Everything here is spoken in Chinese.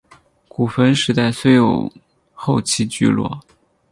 古坟时代虽有后期聚落。